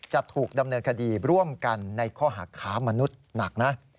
จะถูกดำเนินคดีร่วมกันในข้อหาค้ามนุษย์หนักนะ